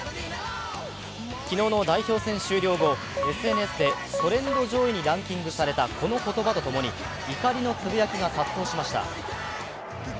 昨日の代表戦終了後、ＳＮＳでトレンド上位にランキングされたこの言葉と共に怒りのつぶやきが殺到しました。